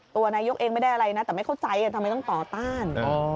ตัวนายกเองไม่ได้อะไรนะแต่ไม่เข้าใจทำไมต้องต่อต้าน